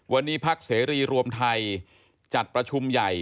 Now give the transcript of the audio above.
วันนี้พักเสรีรวมไทยจัดประชุมใหญ่